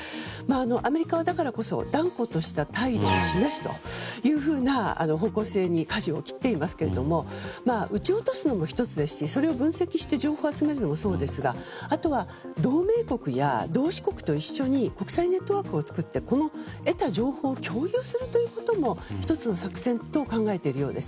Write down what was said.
アメリカは、だからこそ断固とした態度を示すという方向性にかじを切っていますが撃ち落とすのも１つですしそれを分析して情報を集めるのもそうですがあとは、同盟国や同志国と一緒に国際ネットワークを作って得た情報を共有することも１つの作戦と考えているようです。